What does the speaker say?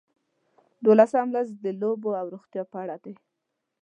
دولسم لوست د لوبو او روغتیا په اړه دی.